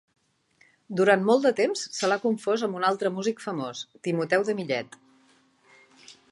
Durant molt de temps se l'ha confós amb un altre músic famós, Timoteu de Milet.